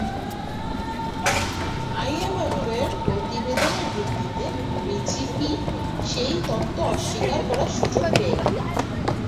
আইএমএফের প্রতিবেদনের ভিত্তিতে বিজেপি সেই তত্ত্ব অস্বীকার করার সুযোগ পেয়ে গেল।